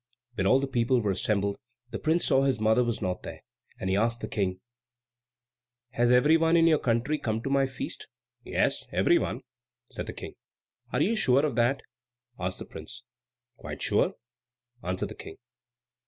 When all the people were assembled, the prince saw his mother was not there, and he asked the King, "Has every one in your country come to my feast?" "Yes, every one," said the King. "Are you sure of that?" asked the prince. "Quite sure," answered the King.